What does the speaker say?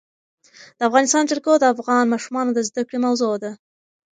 د افغانستان جلکو د افغان ماشومانو د زده کړې موضوع ده.